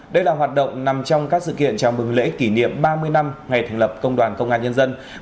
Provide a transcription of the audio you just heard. đây là hoạt động nằm trong các sự kiện chào mừng lễ kỷ niệm ba mươi năm ngày thành lập công đoàn công an nhân dân